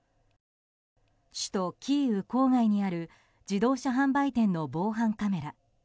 首都キーウ郊外にある自動車販売店の防犯カメラ。